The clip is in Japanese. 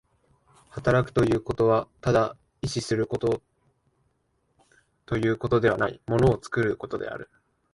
働くということはただ意志するということではない、物を作ることである。